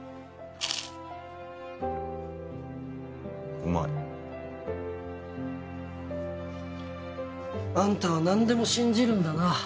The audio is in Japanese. うまい。あんたは何でも信じるんだな。